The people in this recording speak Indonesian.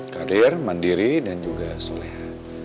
kadir mandiri dan juga soleh